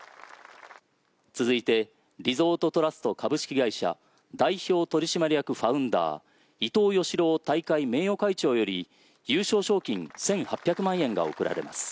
続いてリゾートトラスト株式会社代表取締役ファウンダー伊藤興朗大会名誉会長より優勝賞金１８００万円が贈られます。